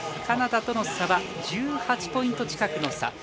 カナダとの差は１８ポイント近くの差。